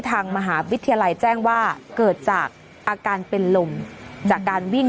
ทางมหาวิทยาลัยแจ้งว่าเกิดจากอาการเป็นลมจากการวิ่ง